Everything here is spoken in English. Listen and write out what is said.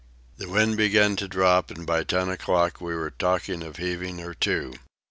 The wind began to drop, and by ten o'clock we were talking of heaving her to.